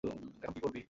এখন কী করবি?